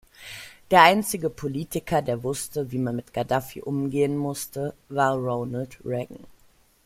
Der einzige Politiker, der wusste, wie man mit Gaddafi umgehen musste, war Ronald Reagan.